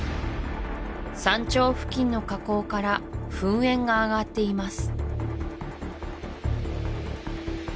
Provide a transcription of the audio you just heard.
山頂付近の火口から噴煙が上がっています